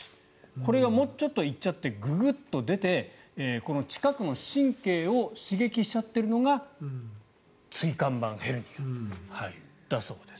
これがもうちょっと行っちゃってググッと出てこの近くの神経を刺激しちゃってるのが椎間板ヘルニアだそうです。